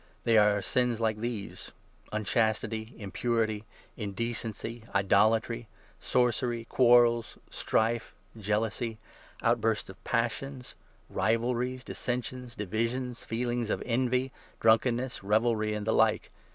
They are sins like these — unchastity, impurity, indecency, idolatry, sorcery, 20 quarrels, strife, jealousy, outbursts of passion, rivalries, dissensions, divisions, feelings of envy, drunkenness, revelry, 21 and the like.